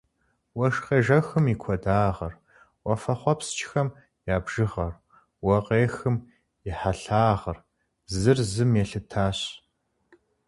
Уэшх къежэхым и куэдагъыр, уафэхъуэпскӏхэм я бжыгъэр, уэ къехым и хьэлъагъыр зыр зым елъытащ.